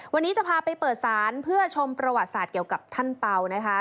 วันนี้จะพาไปเปิดศาลเพื่อชมประวัติศาสตร์เกี่ยวกับท่านเป่านะคะ